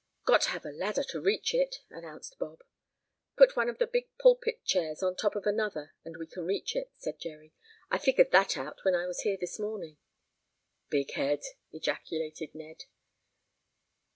"Got to have a ladder to reach it," announced Bob. "Put one of the big pulpit chairs on top of another and we can reach it," said Jerry. "I figured that out when I was here this morning." "Big head!" ejaculated Ned.